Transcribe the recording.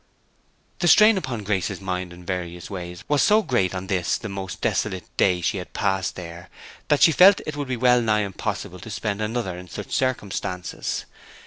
The strain upon Grace's mind in various ways was so great on this the most desolate day she had passed there that she felt it would be well nigh impossible to spend another in such circumstances.